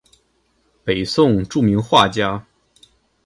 北宋著名画家。